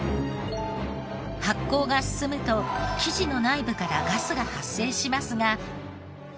発酵が進むと生地の内部からガスが発生しますが。